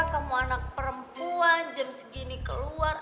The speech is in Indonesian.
kamu anak perempuan jam segini keluar